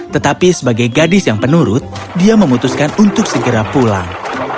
tetapi sebagai gadis yang penurut dia memutuskan untuk segera pulang